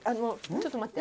ちょっと待って。